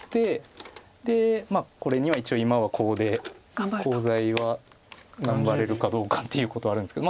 でこれには一応今はコウでコウ材は頑張れるかどうかっていうことはあるんですけど。